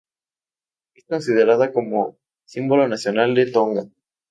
Es considerada como símbolo nacional de Tonga.